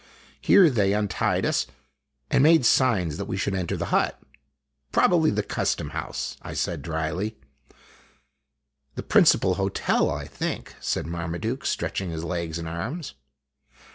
Here they untied us, and made signs that we should enter the hut. " Probably the custom house !'" I said dryly. " The principal hotel, I think," said Marmaduke, stretching his legs and arms.